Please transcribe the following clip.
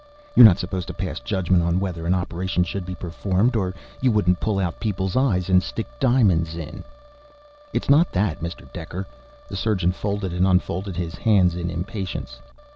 You're not supposed to pass judgment on whether an operation should be performed, or you wouldn't pull out people's eyes and stick diamonds in!" "It's not that, Mr. Dekker." The surgeon folded and unfolded his hands in impatience.